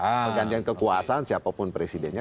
pergantian kekuasaan siapapun presidennya